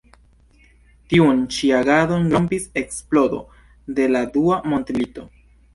Tiun ĉi agadon rompis eksplodo de la dua mondmilito.